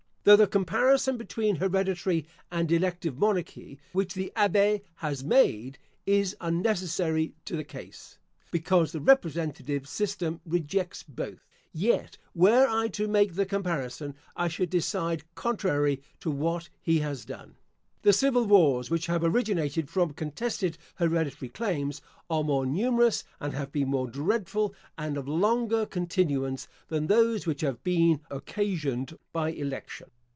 Though the comparison between hereditary and elective monarchy, which the Abbe has made, is unnecessary to the case, because the representative system rejects both: yet, were I to make the comparison, I should decide contrary to what he has done. The civil wars which have originated from contested hereditary claims, are more numerous, and have been more dreadful, and of longer continuance, than those which have been occasioned by election.